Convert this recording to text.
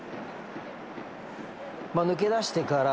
抜け出してから。